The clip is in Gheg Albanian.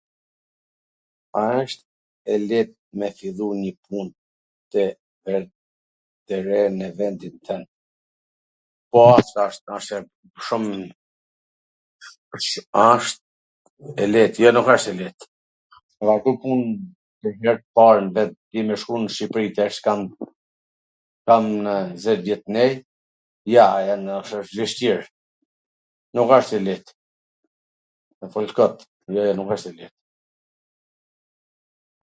A wsht e let me fillu njw pun tw re nw vendin twnd? Po, asht, asht, asht, shum pwr, a asht e let, jo, nuk asht e let, nuk mund pwr her t par n vend ti me shku n Shqipri tash kam na njwzet vjet knej, jo, jo, noshta wsht vwshtir, nuk asht e let, me fol kot, jo, jo, nuk asht e let.